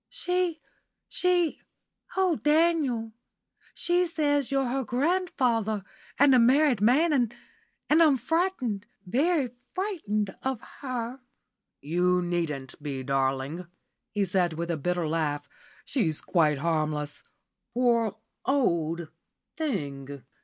"She she oh, Daniel, she says you're her grandfather, and a married man, and and I'm frightened very frightened of her." "You needn't be, darling," he said, with a bitter laugh; "she's quite harmless, poor old thing.